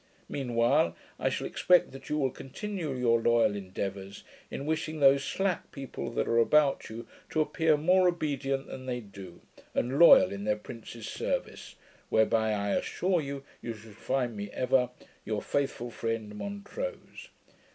Mean while, I shall expect that you will continue your loyal endeavours, in wishing those slack people that are about you, to appear more obedient than they do, and loyal in their prince's service; whereby I assure you, you shall find me ever Your faithful friend, MONTROSE.